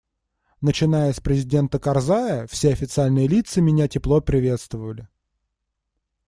Начиная с президента Карзая, все официальные лица меня тепло приветствовали.